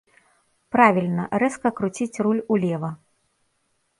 Правільна, рэзка круціць руль улева.